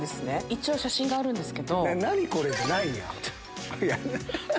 一応写真があるんです。